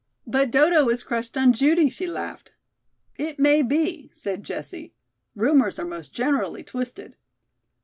"But Dodo is crushed on Judy," she laughed. "It may be," said Jessie. "Rumors are most generally twisted."